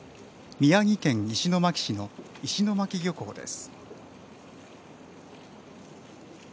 宮城県石巻市の石巻漁港です。